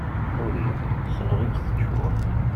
Ḥuriya, sseleɣ-itt teččuṛ!